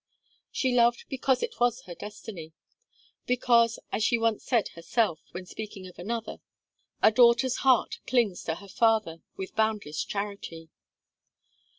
She loved because it was her destiny; because, as she once said herself, when speaking of another: "A daughter's heart clings to her father with boundless charity."